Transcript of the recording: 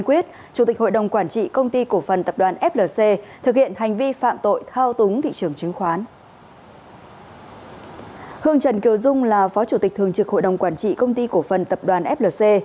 hương trần kiều dung là phó chủ tịch thường trực hội đồng quản trị công ty cổ phần tập đoàn flc